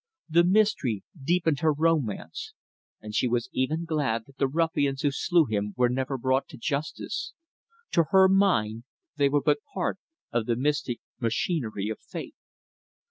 The mystery deepened her romance, and she was even glad that the ruffians who slew him were never brought to justice. To her mind they were but part of the mystic machinery of fate.